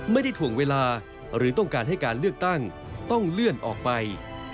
ถ่วงเวลาหรือต้องการให้การเลือกตั้งต้องเลื่อนออกไป